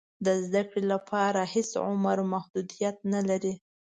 د زده کړې لپاره هېڅ عمر محدودیت نه لري.